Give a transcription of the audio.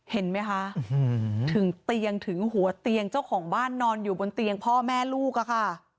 เห็นไหมคะถึงเตียงถึงหัวเตียงเจ้าของบ้านนอนอยู่บนเตียงพ่อแม่ลูกอะค่ะ